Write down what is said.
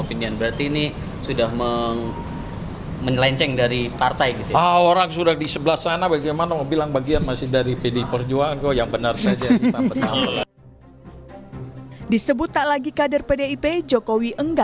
pdip mengatakan bahwa bapak bukan bagian dari partai pdip lagi